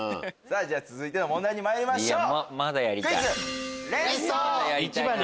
じゃあ続いての問題に参りましょう。